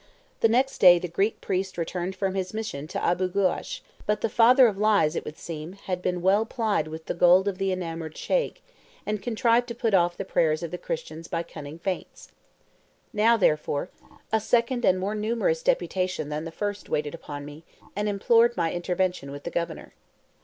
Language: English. The next day the Greek priest returned from his mission to Aboo Goosh, but the "father of lies," it would seem, had been well plied with the gold of the enamoured Sheik, and contrived to put off the prayers of the Christians by cunning feints. Now, therefore, a second and more numerous deputation than the first waited upon me, and implored my intervention with the Governor.